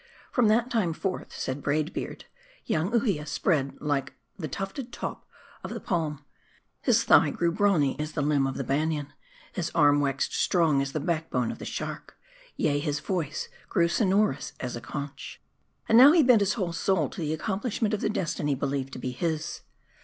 " From that time forth," said Braid : Beard, "young Uhia spread like the tufted top of the Palm ; his thigh grew brawny as the limb of the Banian ; his arm waxed strong as the back bone of the shark ;, yea, his voice grew sonorous as a conch. " And now he bent his whole soul to the accomplishment of the destiny believed to be his.